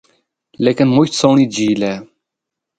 لیکن مُچ سہنڑی جھیل ہے۔